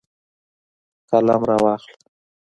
قلم راواخله